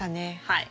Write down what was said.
はい。